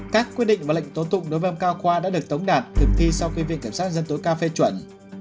các quyết định và lệnh tố tụng đối với ông cao khoa đã được tống đạt thực thi sau khi viện kiểm sát dân tối cao phê chuẩn